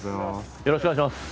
よろしくお願いします。